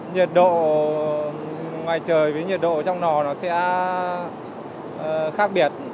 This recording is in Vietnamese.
nhiệt độ ngoài trời với nhiệt độ trong nò nó sẽ khác biệt